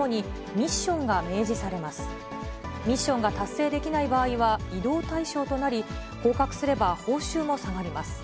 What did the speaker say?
ミッションが達成できない場合は異動対象となり、降格すれば報酬も下がります。